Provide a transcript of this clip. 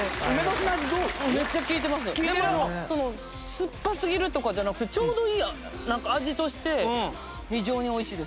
酸っぱすぎるとかじゃなくてちょうどいい味として非常に美味しいです。